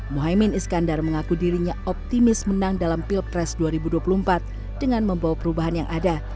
muhaymin iskandar mengaku dirinya optimis menang dalam pilpres dua ribu dua puluh empat dengan membawa perubahan yang ada